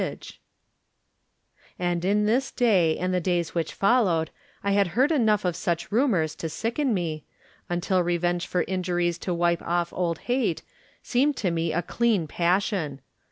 '* Digitized by Google THE NINTH MAN And in this day and the days which fol lowed I had heard enough of such rumors to sicken me, until revenge for injuries to wipe off old hate seemed to me a clean passion.